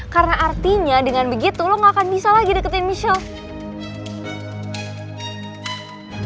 karena artinya dengan begitu lo gak akan bisa lagi deketin michelle